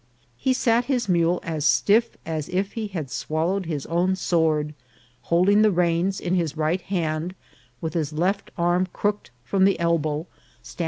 He sat his mule as stiff as if he had swal lowed his own sword, holding the reins in his right hand, with his left arm crooked from the elbow, stand A DON QUIXOTE.